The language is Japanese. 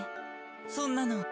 そんなの。